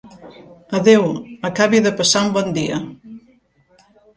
Adéu, acabi de passar un bon dia.